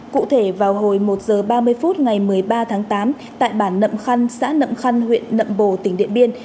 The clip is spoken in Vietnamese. cụ thể vào hồi một h ba mươi phút ngày một mươi ba tháng tám tại bản nậm khăn xã nậm khăn huyện nậm bồ tỉnh điện biên